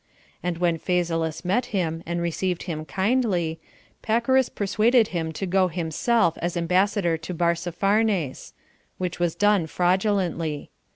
And when Phasaelus met him, and received him kindly, Pacorus persuaded him to go himself as ambassador to Barzapharnes, which was done fraudulently.